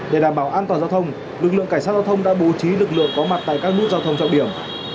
để đảm bảo an toàn giao thông lực lượng cảnh sát giao thông đã bố trí lực lượng có mặt tại các nút giao thông trọng điểm